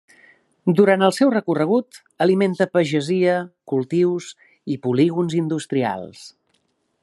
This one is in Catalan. Durant el seu recorregut alimenta pagesia, cultius i polígons industrials.